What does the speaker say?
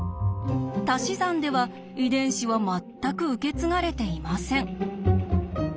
たし算では遺伝子は全く受け継がれていません。